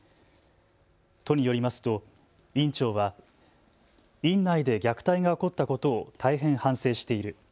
都によりますと院長は院内で虐待が起こったことを大変反省している。